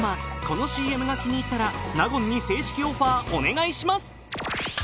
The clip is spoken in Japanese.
このＣＭが気に入ったら納言に正式オファーお願いします